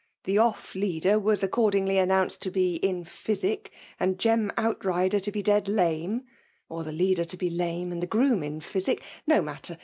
The off leader was acoordingljr announced to be in physie, and Jem Outrider to be dead lame— or the leader to be lame, and the groom in physic — no matter!